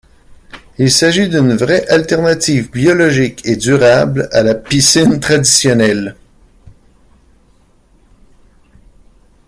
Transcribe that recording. Il s'agit d'une vraie alternative biologique et durable à la piscine traditionnelle.